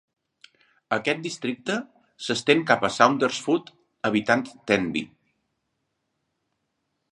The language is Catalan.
Aquest districte s'estén cap a Saundersfoot evitant Tenby.